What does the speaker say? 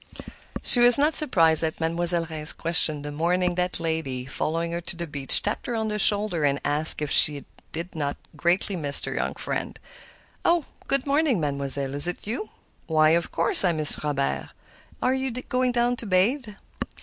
She was not surprised at Mademoiselle Reisz's question the morning that lady, following her to the beach, tapped her on the shoulder and asked if she did not greatly miss her young friend. "Oh, good morning, Mademoiselle; is it you? Why, of course I miss Robert. Are you going down to bathe?"